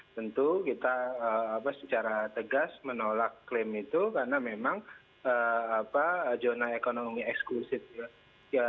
tentu kita secara tegas menolak klaim itu karena memang zona ekonomi eksklusif